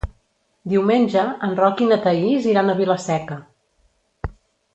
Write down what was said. Diumenge en Roc i na Thaís iran a Vila-seca.